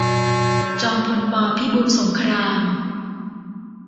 จอมพล ป. พิบูลสงคราม